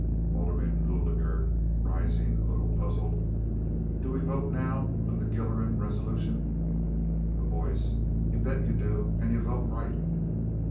Alderman Guigler (rising a little puzzled). "Do we vote now on the Gilleran resolution?" A Voice. "You bet you do, and you vote right."